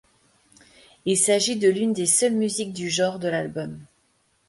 Il s'agit de l'une des seules musiques du genre de l'album.